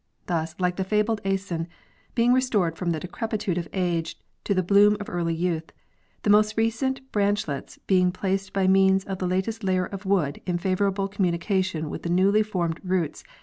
'Thus, like the fabled Aison, being restored from the decrepitude of age to the bloom of early youth, the most recent branchlets being placed by means of the latest layer of wood in favorable communica tion with the newly formed roots.